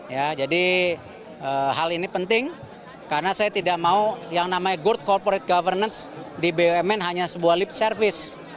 ya jadi hal ini penting karena saya tidak mau yang namanya good corporate governance di bumn hanya sebuah lip service